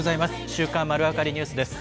週刊まるわかりニュースです。